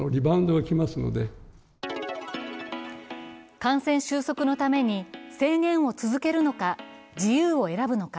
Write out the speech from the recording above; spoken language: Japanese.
感染収束のために制限を続けるのか、自由を選ぶのか。